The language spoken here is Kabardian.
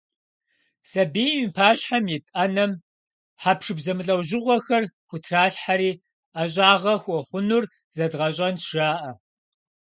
Сабийм и пащхьэм ит Ӏэнэм хьэпшып зэмылӀэужьыгъуэхэр хутралъхьэри, «ӀэщӀагъэ хуэхъунур зэдгъэщӀэнщ» жаӀэ.